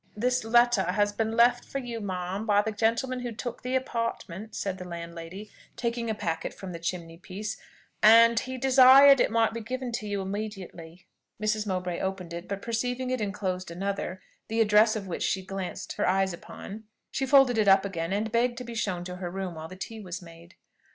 "This letter has been left for you, ma'am, by the gentleman who took the apartment," said the landlady, taking a packet from the chimney piece; "and he desired it might be given to you immediately." Mrs. Mowbray opened it; but perceiving it enclosed another, the address of which she glanced her eye upon, she folded it up again, and begged to be shown to her room while the tea was made.